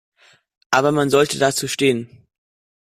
Aber man sollte dazu stehen.